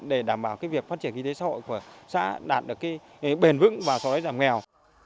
để đảm bảo việc phát triển kinh tế xã hội của xã đạt được bền vững và giảm nghèo